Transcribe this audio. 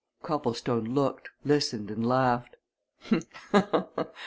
Copplestone looked, listened, and laughed.